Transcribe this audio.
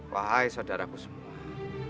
wahai saudaraku semua